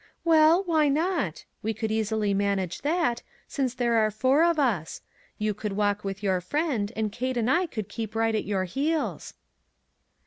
44 Well, why not? We could easily man age that, since there are four of us ; you $6 ONE COMMONPLACE DAY. could walk with your friend, and Kate and I would keep right at your heels."